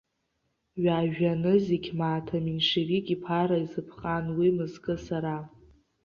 Ҩажәа нызқь мааҭ аменшевик иԥара изыԥҟан уи мызкы, сара.